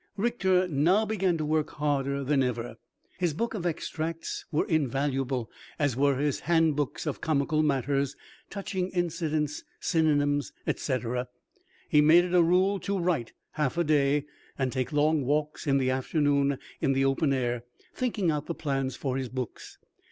Richter now began to work harder than ever. His books of extracts were invaluable, as were his hand books of comical matters, touching incidents, synonyms, etc. He made it a rule to write half a day, and take long walks in the afternoon in the open air, thinking out the plans for his books.